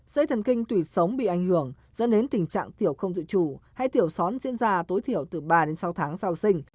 dễ thần kinh tủy sống bị ảnh hưởng dẫn đến tình trạng tiểu không dự trù hay tiểu xóm diễn ra tối thiểu từ ba đến sáu tháng sau sinh